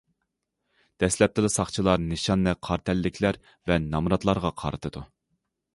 دەسلەپتىلا ساقچىلار نىشاننى قارا تەنلىكلەر ۋە نامراتلارغا قارىتىدۇ.